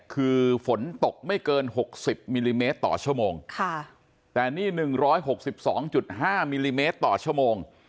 คือฝนตกไม่เกิน๖๐มิลลิเมตรต่อชั่วโมงแต่นี่๑๖๒๕มิลลิเมตรต่อชั่วโมง